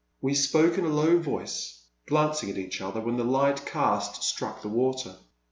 We spoke in a low voice, glancing at each other when the light cast struck the water.